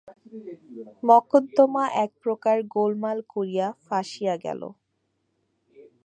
মকদ্দমা একপ্রকার গোলমাল করিয়া ফাঁসিয়া গেল।